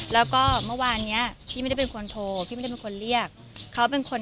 แล้วก็เมื่อวานเนี้ยพี่ไม่ได้เป็นคนโทรพี่ไม่ได้เป็นคนเรียกเขาเป็นคน